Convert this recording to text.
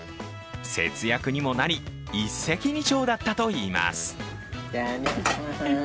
節約にもなり、一石二鳥だったといいます。